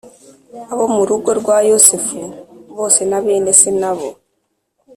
abo mu rugo rwa Yosefu bose na bene se n abo